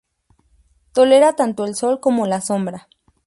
Tolera tanto el sol como la sombra.